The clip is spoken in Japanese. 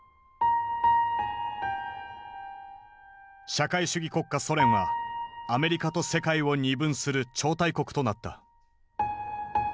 社会主義国家ソ連はアメリカと世界を二分する超大国となった。